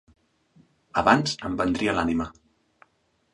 Abans em vendria l'ànima.